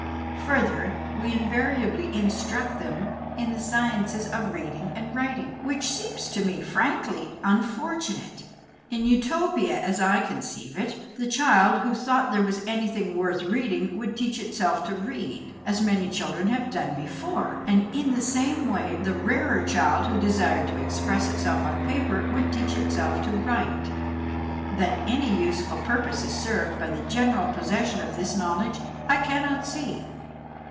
Further, we invariably instruct them in the sciences of reading and writing, which seems to me frankly unfor tunate. In Utopia, as I conceive it, the child who thought there was anything worth read ing would teach itself to read, as many children have done before it, and in the same way the rarer child who desired to express itself on paper would teach itself to write. That any useful purpose is served by the general possession of this knowledge I cannot see.